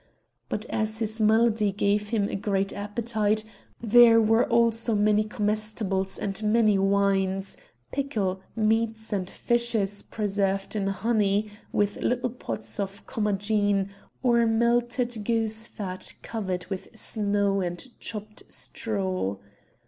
But, as his malady gave him a great appetite, there were also many comestibles and many wines, pickle, meats and fishes preserved in honey, with little pots of Commagene, or melted goose fat covered with snow and chopped straw.